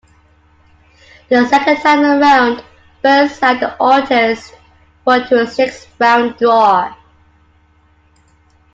The second time around, Burnside and Ortiz fought to a six round draw.